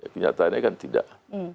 kenyataannya kan tidak